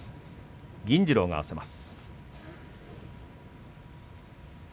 銀治郎が合わせます。